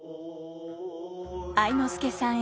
愛之助さん